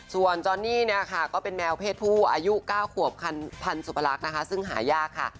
ส่วนจอนนี่ก็เป็นแมวเพศผู้อายุ๙ขวบพันธุ์สุพลักษณ์ซึ่งหายากค่ะ